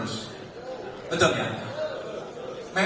nah sampai kapan kalau ini terjadi terus